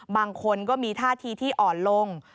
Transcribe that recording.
บางคนก็มีท่าทีที่อ่อนลง